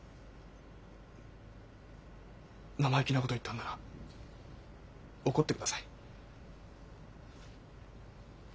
生意気なこと言ったんなら怒ってください。